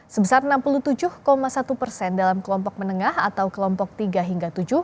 sebesar enam puluh tujuh satu persen dalam kelompok menengah atau kelompok tiga hingga tujuh